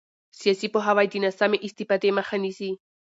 سیاسي پوهاوی د ناسمې استفادې مخه نیسي